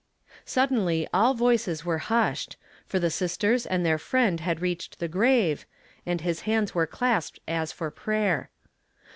Suddenly all voices were hushed ; for the sistei s and their friend had reached the grave, and his hands were clasped as for i)rayer.